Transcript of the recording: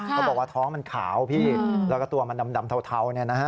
เขาบอกว่าท้องมันขาวพี่แล้วก็ตัวมันดำเทา